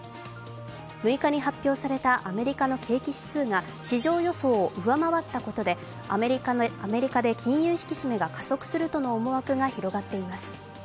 ６日に発表されたアメリカの景気指数が市場予想を上回ったことでアメリカで金融引き締めが加速するとの思惑が広がっています。